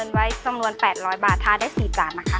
ไว้จำนวน๘๐๐บาททาได้๔จานนะคะ